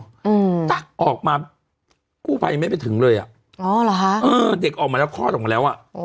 อืมอ่ะออกมากู้ภัยยังไม่ไปถึงเลยอ่ะอ๋อเหรอฮะเออเด็กออกมาแล้วคลอดออกมาแล้วอ่ะอ๋อ